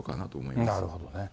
まなるほどね。